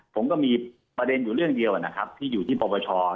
ผมก็มีประเด็นอยู่เรื่องเดียวนะครับที่อยู่ที่ปปช